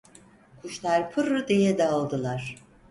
Kuşlar pırrr diye dağıldılar.